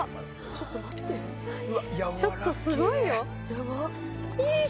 ちょっとすごいよひーっ